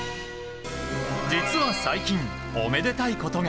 実は最近、おめでたいことが。